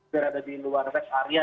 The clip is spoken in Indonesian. berada di luar rest area